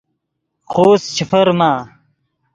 خوست چے فرما